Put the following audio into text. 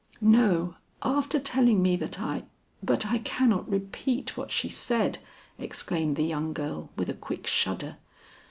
"No; after telling me that I But I cannot repeat what she said," exclaimed the young girl with a quick shudder.